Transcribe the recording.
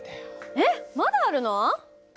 えっまだあるの？